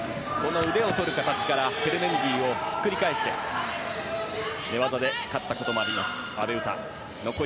腕をとる形からケルメンディをひっくり返して寝技で勝ったこともある阿部詩。